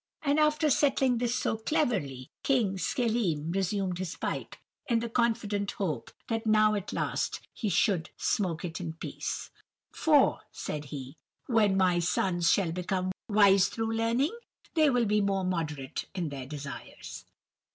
"And after settling this so cleverly, King Schelim resumed his pipe, in the confident hope, that now, at last, he should smoke it in peace. "'For,' said he, 'when my sons shall become wise through learning, they will be more moderate in their desires.